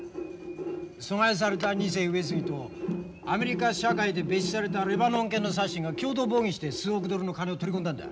疎外された二世上杉とアメリカ社会で蔑視されたレバノン系のサッシンが共同謀議して数億ドルの金を取り込んだんだ。